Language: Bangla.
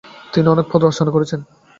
তিনি অনেক পদ রচনা করেছেন।